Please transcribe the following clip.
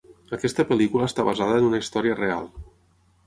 Aquesta pel·lícula està basada en una història real.